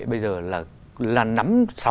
bây giờ là nắm